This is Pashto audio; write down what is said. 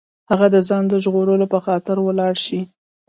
هغه د ځان ژغورلو په خاطر ولاړ شي.